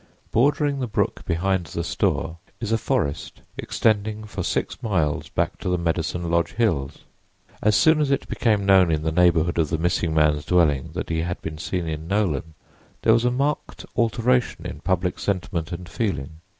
Bordering the brook behind the store is a forest extending for six miles back to the Medicine Lodge Hills. As soon as it became known in the neighborhood of the missing man's dwelling that he had been seen in Nolan there was a marked alteration in public sentiment and feeling.